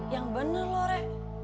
yang bener loh re